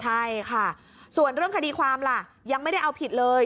ใช่ค่ะส่วนเรื่องคดีความล่ะยังไม่ได้เอาผิดเลย